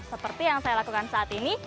seperti yang saya lakukan saat ini